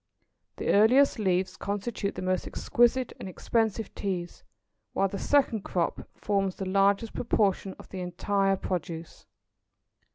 The earliest leaves constitute the most exquisite and expensive teas; while the second crop forms the largest proportion of the entire produce.